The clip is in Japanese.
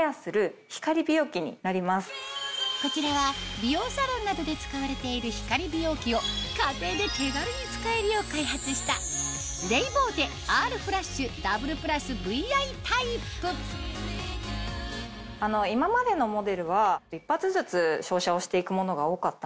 こちらは美容サロンなどで使われている光美容器を家庭で手軽に使えるよう開発した今までのモデルは１発ずつ照射をしていくものが多かったんです。